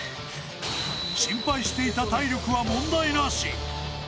心配していた体力は問題なし。